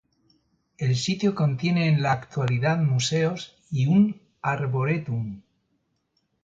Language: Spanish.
El sitio contiene en la actualidad museos y un arboretum.